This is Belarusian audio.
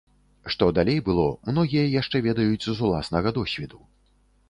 Што далей было, многія яшчэ ведаюць з уласнага досведу.